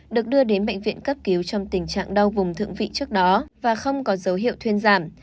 được đưa đến bệnh viện cấp cứu trong tình trạng đau vùng thượng vị trước đó và không có dấu hiệu thuyên giảm